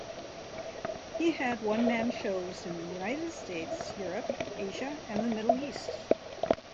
He had one-man shows in the United States, Europe, Asia and the Middle East.